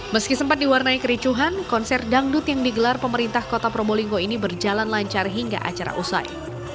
meski sempat diwarnai kericuhan konser dangdut yang digelar pemerintah kota probolinggo ini berjalan lancar hingga acara usai